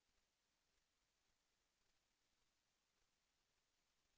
แสวได้ไงของเราก็เชียนนักอยู่ค่ะเป็นผู้ร่วมงานที่ดีมาก